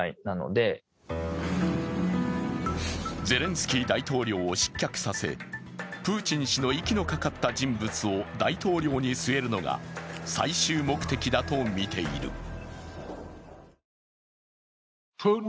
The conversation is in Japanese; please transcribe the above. ゼレンスキー大統領を失脚させ、プーチン氏の息のかかった人物を大統領に据えるのが最終目的だとみている。